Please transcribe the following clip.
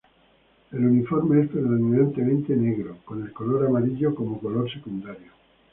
El uniforme es predominantemente negro, con el color amarillo como color secundario.